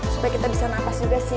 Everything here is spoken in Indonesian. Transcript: supaya kita bisa nafas juga sih